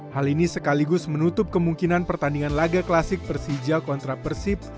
hal ini sekaligus menutup kemungkinan pertandingan laga klasik persija kontra persib